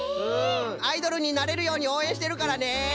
アイドルになれるようにおうえんしてるからね！